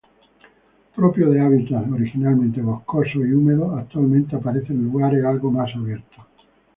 Propio de hábitats originariamente boscosos y húmedos, actualmente aparece en lugares algo más abiertos.